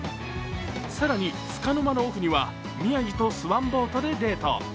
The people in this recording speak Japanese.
更に、つかの間のオフには宮城とスワンボートでデート。